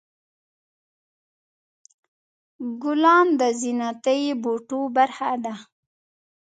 ګلان د زینتي بوټو برخه ده.